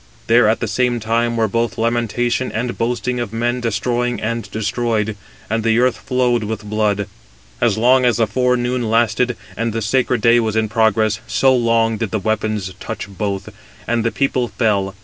There at the same time were both lamentation and boasting of men destroying and destroyed, and the earth flowed with blood. As long as the forenoon lasted, and the sacred day was in progress, so long did the weapons touch both, and the people fell.